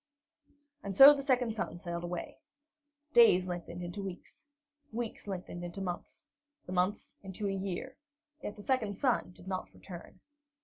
And so the second son sailed away. Days lengthened into weeks, weeks lengthened into months, the months into a year, yet the second son did not return.